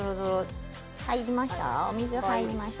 入りました？